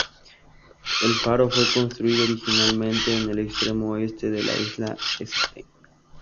El faro fue construido originalmente en el extremo oeste de la isla St.